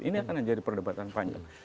ini akan menjadi perdebatan panjang